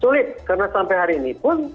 sulit karena sampai hari ini pun